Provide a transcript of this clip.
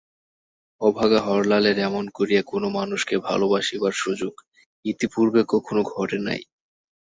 অভাগা হরলালের এমন করিয়া কোনো মানুষকে ভালোবাসিবার সুযোগ ইতিপূর্বে কখনো ঘটে নাই।